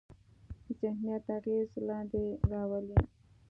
ذهنیت اغېز لاندې راولي.